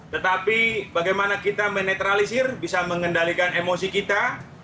tetapi bagaimana kita menetralisir bisa mengendalikan emosi kita